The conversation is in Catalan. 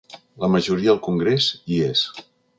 La majoria al congrés hi és.